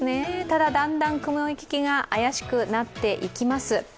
ただだんだん雲行きが怪しくなっていきます。